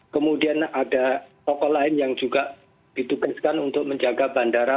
kemudian ada tokoh lain yang juga ditugaskan untuk menjaga bandara